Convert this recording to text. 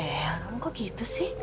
ya kamu kok gitu sih